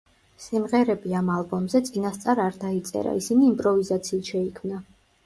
სიმღერები ამ ალბომზე წინასწარ არ დაიწერა, ისინი იმპროვიზაციით შეიქმნა.